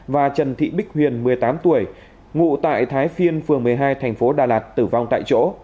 và trần thị bích huyền một mươi tám tuổi ngụ tại thái phiên phường một mươi hai thành phố đà lạt tử vong tại chỗ